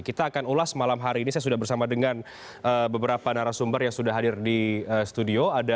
kita akan ulas malam hari ini saya sudah bersama dengan beberapa narasumber yang sudah hadir di studio